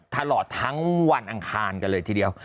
ตลอดทั้งวันอังคารกันเลยทีเดียว